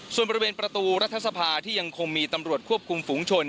ส่วนบริเวณประตูรัฐสภาที่ยังคงมีตำรวจควบคุมฝุงชน